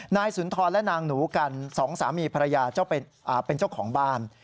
นายสุนทรและนางหนูกันสองสามีภรรยาเป็นเจ้าของบ้าน